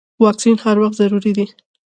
واکسین هر وخت ضروري دی.